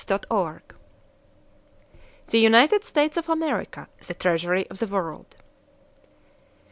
"THE UNITED STATES OF AMERICA THE TREASURY OF THE WORLD."